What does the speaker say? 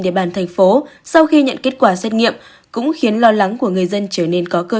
địa bàn thành phố sau khi nhận kết quả xét nghiệm cũng khiến lo lắng của người dân trở nên có cơ